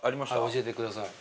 教えてください。